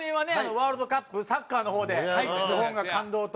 ワールドカップサッカーの方で日本が感動とね